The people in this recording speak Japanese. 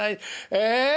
ええ？